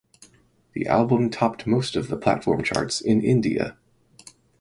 The album topped most of the platform charts in India.